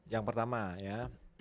yang pertama ya